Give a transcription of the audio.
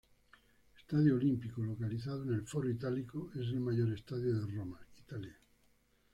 Stadio Olimpico, localizado en el Foro Itálico, es el mayor estadio de Roma, Italia.